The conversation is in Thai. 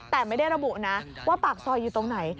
แต่ไม่ได้ระบุนะว่าปากซอยอยู่ตรงไหน